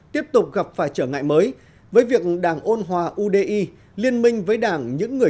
tiếp tục gặp phải trở ngại mới với việc đảng ôn hòa udi liên minh với đảng